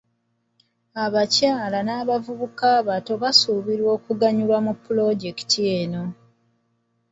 Abakyala n'abavubuka abato basuubirwa okuganyulwa mu pulojekiti eno.